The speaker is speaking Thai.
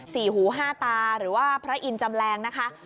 สี่หูห้าตาหรือว่าพระอินทร์จำแรงนะคะ